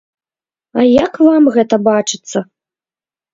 А як вам гэта бачыцца?